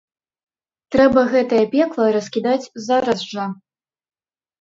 Трэба гэтае пекла раскідаць зараз жа.